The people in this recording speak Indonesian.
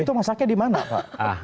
itu masaknya di mana pak